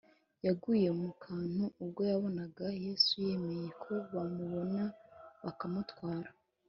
yaguye mu kantu ubwo yabonaga yesu yemeye ko bamuboha bakamutwara